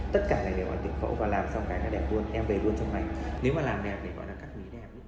tất cả này đều là tiện phẫu và làm xong cái này đẹp luôn em về luôn trong này